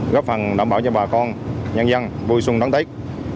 góp phần đảm bảo cho bà con nhân dân vui xuân đón tết